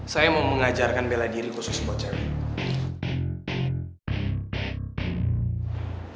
saya mau mengajarkan bela diri khusus buat cewek